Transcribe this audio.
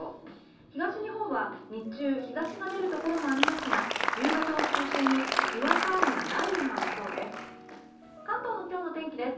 東日本は日中日差しが出るところもありますが夕方を中心ににわか雨や雷雨がありそうです。